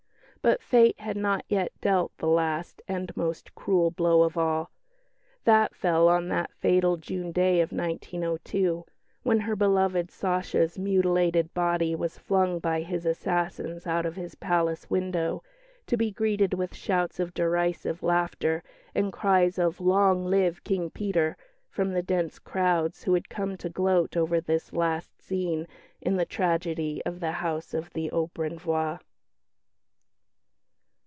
But fate had not yet dealt the last and most cruel blow of all. That fell on that fatal June day of 1902 when her beloved "Sacha's" mutilated body was flung by his assassins out of his palace window, to be greeted with shouts of derisive laughter and cries of "Long live King Peter," from the dense crowds who had come to gloat over this last scene in the tragedy of the House of the Obrenvoie.